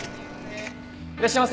いらっしゃいませ！